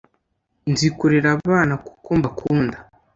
Nzi kurera abana kuko mbakunda